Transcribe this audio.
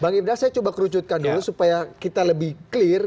bang ibda saya coba kerucutkan dulu supaya kita lebih clear